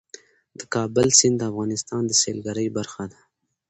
د کابل سیند د افغانستان د سیلګرۍ برخه ده.